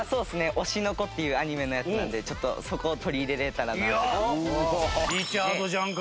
『推しの子』っていうアニメのやつなのでちょっとそこを取り入れられたらなとか。